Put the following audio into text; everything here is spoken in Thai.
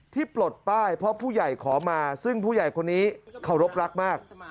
ปลดป้ายเพราะผู้ใหญ่ขอมาซึ่งผู้ใหญ่คนนี้เคารพรักมาก